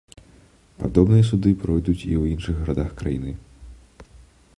Падобныя суды пройдуць і ў іншых гарадах краіны.